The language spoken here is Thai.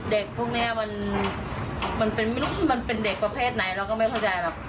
เด็กพวกนี้มันเป็นเด็กประเภทไหนเราก็ไม่เข้าใจ